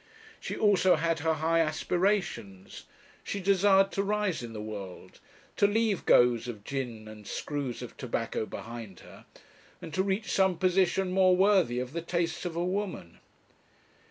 She also had her high aspirations; she desired to rise in the world, to leave goes of gin and screws of tobacco behind her, and to reach some position more worthy of the tastes of a woman.